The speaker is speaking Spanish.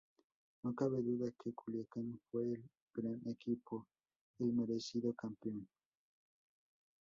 No cabe duda que Culiacán fue el gran equipo, el merecido campeón.